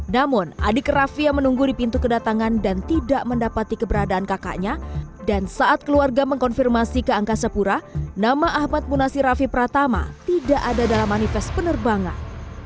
namun adik rafia menunggu di pintu kedatangan dan tidak mendapati keberadaan kakaknya dan saat keluarga mengkonfirmasi ke angkasa pura nama ahmad munasir rafi pratama tidak ada dalam manifest penerbangan